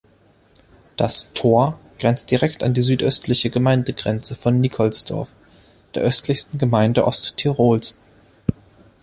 Das „Tor“ grenzt direkt an die südöstliche Gemeindegrenze von Nikolsdorf, der östlichsten Gemeinde Osttirols.